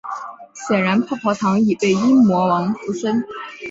显然泡泡糖已被阴魔王附身。